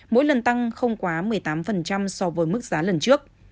mỗi lần tăng không quá một mươi tám so với mức giá lần trước